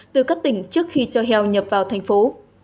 từ các tỉnh trước khi cho heo nhập vào thành phố